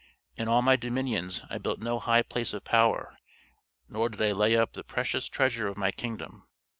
In all my dominions I built no high place of power, nor did I lay up the precious treasure of my kingdom.